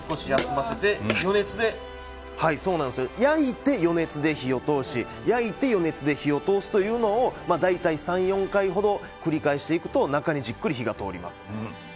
焼いて余熱で火を通し焼いて余熱で火を通すというのを大体３４回ほど繰り返していくと中にじっくり火が通ります。